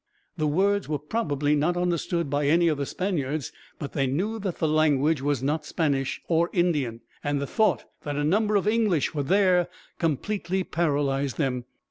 The words were probably not understood by any of the Spaniards, but they knew that the language was not Spanish or Indian; and the thought that a number of English were there completely paralyzed them.